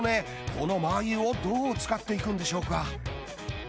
このマー油をどう使っていくんでしょうか？